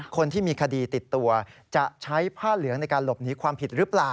คนที่มีคดีติดตัวจะใช้ผ้าเหลืองในการหลบหนีความผิดหรือเปล่า